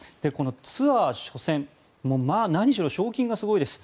ツアー初戦何しろ賞金がすごいです。